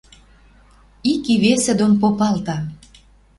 Ик и весӹ дон попалта: